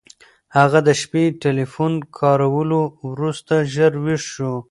هغه د شپې ټیلیفون کارولو وروسته ژر ویښ شو.